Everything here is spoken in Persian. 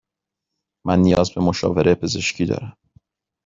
من نیاز به مشاوره پزشکی دارم.